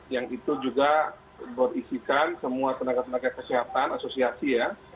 yang itu juga buat isikan semua penyakit penyakit kesehatan asosiasi ya